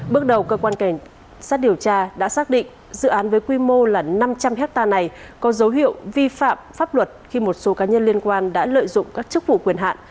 bước đầu cơ quan cảnh sát điều tra đã xác định dự án với quy mô là năm trăm linh hectare này có dấu hiệu vi phạm pháp luật khi một số cá nhân liên quan đã lợi dụng các chức vụ quyền hạn